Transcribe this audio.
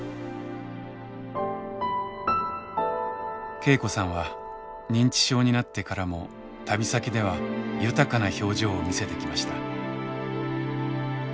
恵子さんは認知症になってからも旅先では豊かな表情を見せてきました。